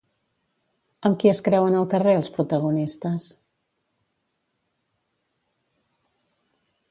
Amb qui es creuen al carrer els protagonistes?